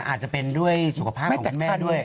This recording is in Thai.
อาจจะเป็นด้วยสุขภาพของคุณแม่ด้วย